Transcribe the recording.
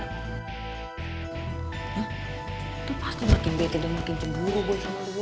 hah itu pasti makin bete dan makin cemburu gue sama reva